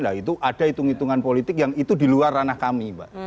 nah itu ada hitung hitungan politik yang itu di luar ranah kami mbak